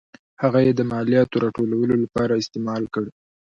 هغه یې د مالیاتو راټولولو لپاره استعمال کړ.